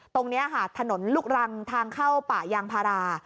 ตรงนี้ค่ะถนนลูกรังทางเข้าป่ายางพารา